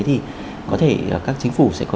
thì có thể các chính phủ sẽ có